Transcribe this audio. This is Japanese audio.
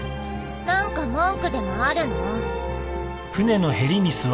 何か文句でもあるの？